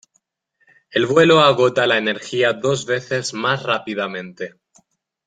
El vuelo agota la energía dos veces más rápidamente.